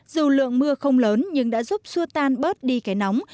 dù lượng mưa không lớn nhưng đã giúp xua tan bớt đi cái nóng